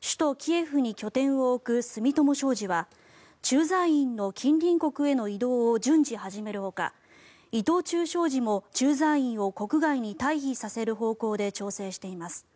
首都キエフに拠点を置く住友商事は駐在員の近隣国への移動を順次、始めるほか伊藤忠商事も駐在員を国外に退避させる方向で調整しています。